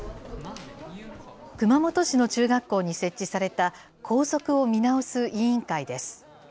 熊本市の中学校に設置された、校則を見直す委員会です。